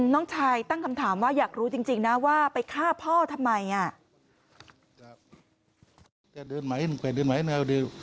น้องชายตั้งคำถามว่าอยากรู้จริงนะว่าไปฆ่าพ่อทำไมอ่ะ